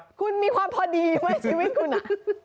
คุณมีความพอดีไหมชีวิตคุณอ่ะ